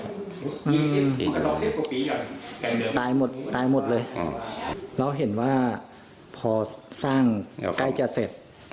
ตายหมดตายหมดเลยแล้วเห็นว่าพอสร้างใกล้จะเสร็จ